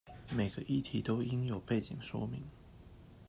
每個議題都應有背景說明